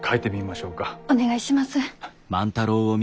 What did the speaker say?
お願いします。